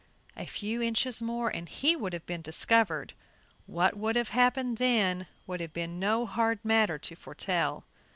A few inches more and he would have been discovered; what would have happened then would have been no hard matter to foretell.